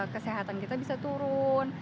kesehatan kita bisa turun